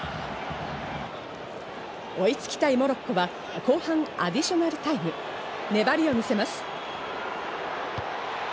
追いつきたいモロッコは、後半アディショナルタイム、粘りを見せます。